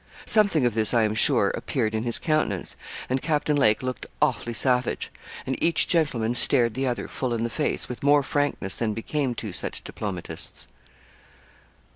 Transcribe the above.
Something of this, I am sure, appeared in his countenance, and Captain Lake looked awfully savage, and each gentleman stared the other full in the face, with more frankness than became two such diplomatists.